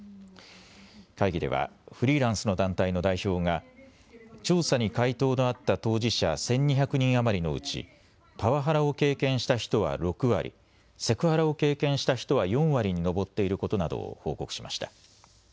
会議ではフリーランスの団体の代表が調査に回答のあった当事者１２００人余りのうちパワハラを経験した人は６割、セクハラを経験した人は４割に上っていることなどを報告しました。